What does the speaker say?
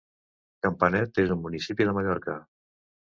Campanet és un municipi de Mallorca.